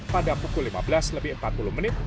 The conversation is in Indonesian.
pada pukul lima belas lebih empat puluh menit